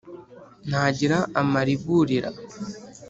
Ntagira amariburira,